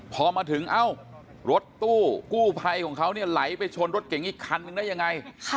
พอมาถึงรถตู้กู้ไพของเขาไหลไปชนรถเก๋งอีกคันนึงได้ยังไง